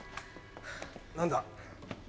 何だ？